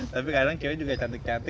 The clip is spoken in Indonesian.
tapi kadang kio juga cantik cantik